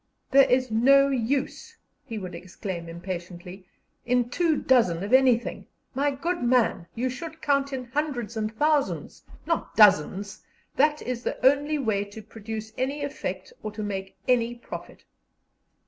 "There is no use," he would exclaim impatiently, "in two dozen of anything. My good man, you should count in hundreds and thousands, not dozens. That is the only way to produce any effect or to make any profit."